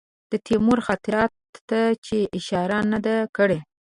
د تیمور خاطراتو ته چا اشاره نه ده کړې.